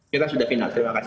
kita sudah final terima kasih